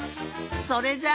それじゃあ。